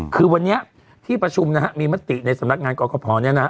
คือวันนี้ที่ประชุมนะฮะมีมติในสำนักงานกรกภเนี่ยนะฮะ